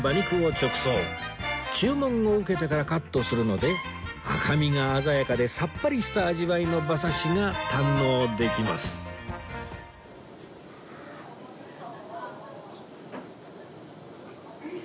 注文を受けてからカットするので赤身が鮮やかでさっぱりした味わいの馬刺しが堪能できますん！